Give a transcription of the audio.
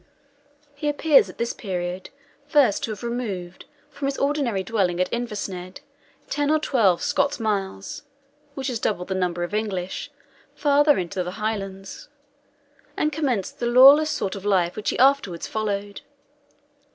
He appears at this period first to have removed from his ordinary dwelling at Inversnaid, ten or twelve Scots miles (which is double the number of English) farther into the Highlands, and commenced the lawless sort of life which he afterwards followed.